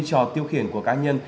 cho tiêu khiển của cá nhân